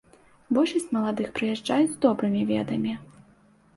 Большасць маладых прыязджаюць з добрымі ведамі.